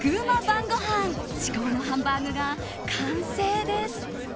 晩ごはん至高のハンバーグが完成です。